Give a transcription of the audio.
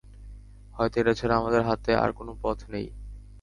হয়তো এটা ছাড়া আমাদের হাতে আর কোনো পথ নেই।